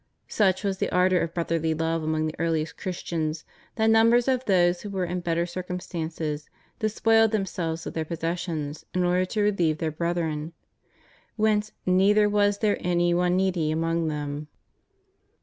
Such was the ardor of brotherly love among the earliest Christians that numbers of those who were in better cir cumstances despoiled themselves of their possessions in order to relieve their brethren; whence neither was there any one needy among them.